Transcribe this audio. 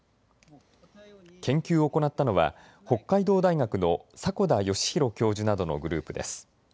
研究を行ったのは北海道大学の迫田義博教授などのグループです。